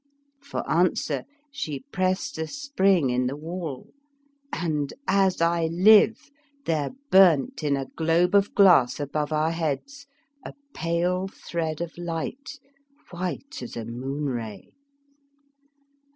" For answer she pressed a spring in the wall, and, as I live, there burnt in a globe of glass above our heads a pale thread of light, white as a moon ray.